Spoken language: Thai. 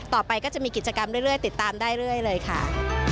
ต่อไปก็จะมีกิจกรรมเรื่อยติดตามได้เรื่อยเลยค่ะ